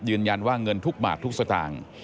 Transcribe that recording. ยืนยันว่าเงินทุกบาททุกสตางค์